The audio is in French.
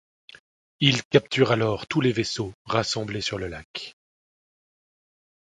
Il capture alors tous les vaisseaux rassemblés sur le lac.